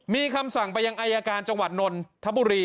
มีคำสั่งไปยังอายการจังหวัดนนทบุรี